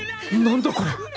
何だこれ？